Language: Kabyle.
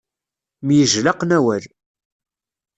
Myejlaqen awal.